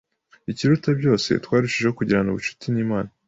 Ikiruta byose, twarushijeho kugirana ubucuti n’Imana